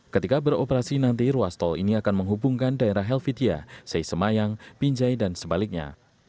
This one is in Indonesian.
ketika beroperasi nanti ruas tol ini akan menghubungkan daerah helvitia seisemayang binjai dan sebaliknya